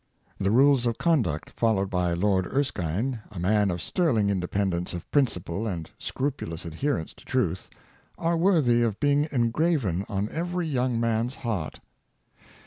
The rules of conduct followed by Lord Erskine — a man of sterling independence of principle and scrupu lous adherence to truth — are worthy of being engraven on every young man's heart.